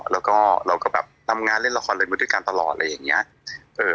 แล้วก็เราก็แบบทำงานเล่นละครเล่นมือด้วยกันตลอดอะไรอย่างนี้